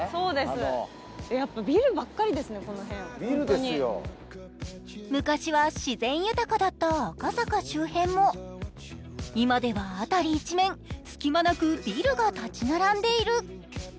やっぱビルばっかりですね、この辺昔は自然豊かだった赤坂周辺も今では辺り一面、隙間なくビルが立ち並んでいる。